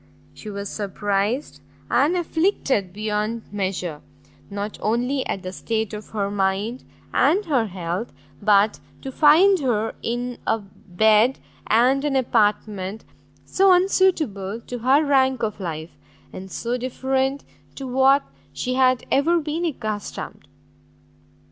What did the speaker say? She was surprised and afflicted beyond measure, not only at the state of her mind, and her health, but to find her in a bed and an apartment so unsuitable to her rank of life, and so different to what she had ever been accustomed.